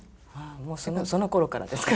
もうそのころからですか？